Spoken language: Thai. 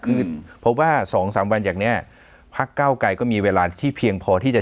คือเพราะว่าสองสามวันอย่างเนี้ยพักเก้ากลายก็มีเวลาที่เพียงพอที่จะ